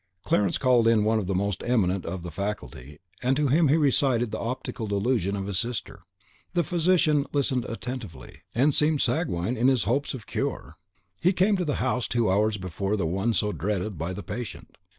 Clarence called in one of the most eminent of the faculty, and to him he recited the optical delusion of his sister. The physician listened attentively, and seemed sanguine in his hopes of cure. He came to the house two hours before the one so dreaded by the patient.